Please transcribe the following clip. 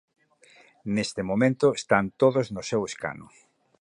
Neste momento están todos no seu escano.